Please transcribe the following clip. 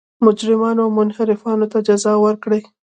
مجرمانو او منحرفانو ته جزا ورکړي.